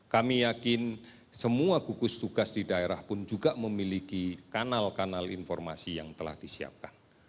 kami yakin semua gugus tugas di daerah pun juga memiliki kanal kanal informasi yang telah disiapkan